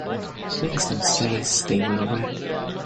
Bengston says they were red.